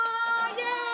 イエーイ！